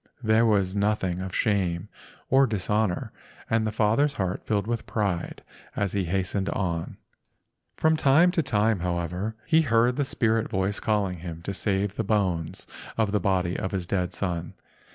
There was nothing of shame or dishonor—and the father's heart filled with pride as he hastened on. From time to time, however, he heard the spirit voice calling him to save the bones of the body of his dead son.